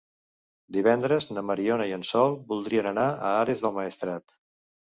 Divendres na Mariona i en Sol voldrien anar a Ares del Maestrat.